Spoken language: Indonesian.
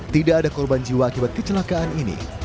tidak ada korban jiwa akibat kecelakaan ini